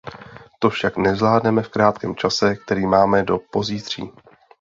To však nezvládneme v krátkém čase, který máme do pozítří.